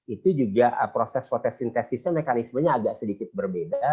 itu juga proses fotosintesisnya mekanismenya agak sedikit berbeda